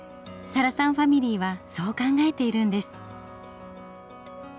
サラさんファミリーはそう考えているんです。